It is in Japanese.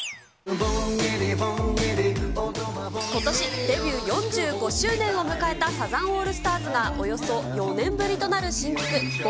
ことし、デビュー４５周年を迎えたサザンオールスターズが、およそ４年ぶりとなる新曲、盆